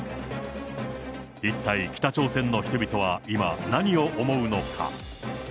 一体北朝鮮の人々は今、何を思うのか。